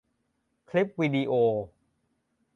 คลิปวีดิโอ